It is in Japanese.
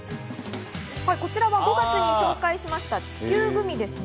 こちらは５月に紹介しました、地球グミですね。